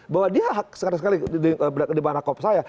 bahwa dia sekali sekali di barakop saya